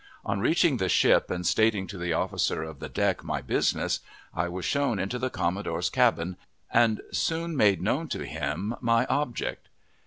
On reaching the ship and stating to the officer of the deck my business, I was shown into the commodore's cabin, and soon made known to him my object.